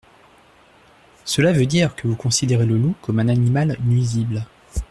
Cela veut dire que vous considérez le loup comme un animal nuisible.